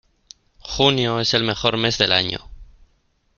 Junio es el mejor mes del año.